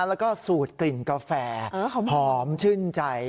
แล้วก็สูตรกลิ่นกาแฟหอมชื่นใจ